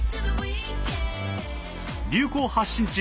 流行発信地